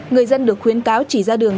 người dân được khuyến cáo chỉ ra đường